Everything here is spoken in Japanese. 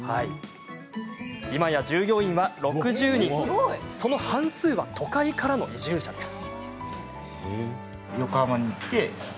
今や従業員は６０人その半数は都会からの移住者です。